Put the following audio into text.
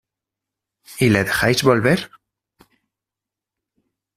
¿ Y le dejáis volver?